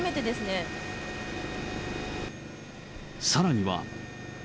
さらには。